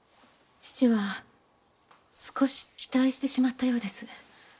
父は少し期待してしまったようです。